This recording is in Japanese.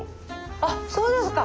あっそうですか。